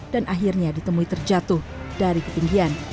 dan akhirnya ditemui terjatuh dari ketinggian